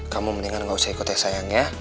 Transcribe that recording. kamu mendingan gak usah ikut ya sayang ya